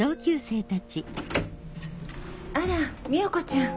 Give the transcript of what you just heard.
あらみよ子ちゃん。